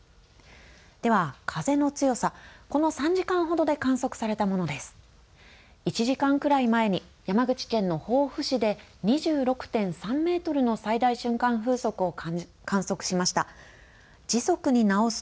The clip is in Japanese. では風の強さ、この３時間ほどで観測されたものです。